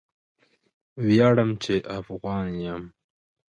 ما موخه لرله چې د اروپا مشهورې ژبې زده کړم